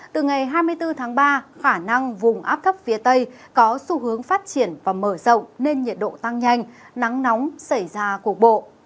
từ ngày hai mươi bốn tháng ba khả năng vùng áp thấp phía tây có xu hướng phát triển và mở rộng nên nhiệt độ tăng nhanh nắng nóng xảy ra cuộc bộ